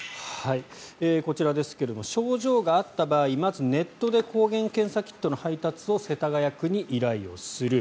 こちらですが、症状があった場合まずネットで抗原検査キットの配達を世田谷区に依頼をする。